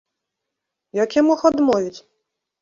Як я мог адмовіць?